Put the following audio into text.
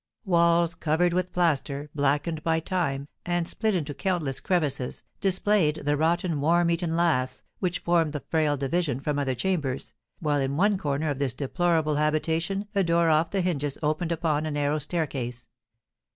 Walls covered with plaster, blackened by time, and split into countless crevices, displayed the rotten, worm eaten laths, which formed the frail division from other chambers, while in one corner of this deplorable habitation a door off the hinges opened upon a narrow staircase.